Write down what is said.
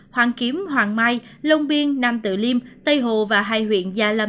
hoàng kiếm hoàng mai long biên nam tự liêm tây hồ và hai huyện gia lâm